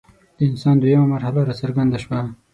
د انسان دویمه مرحله راڅرګنده شوه.